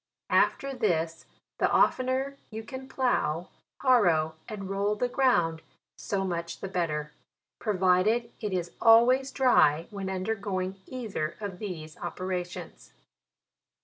After this, the oftener you can plough, harrow, and roll the ground, so much the better: provided it is always dry when un dergoing either of these operations.